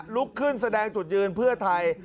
ลุกขึ้นแสดงจุดยืนเพื่อไทย